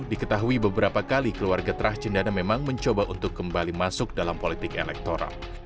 diketahui beberapa kali keluarga terah cendana memang mencoba untuk kembali masuk dalam politik elektoral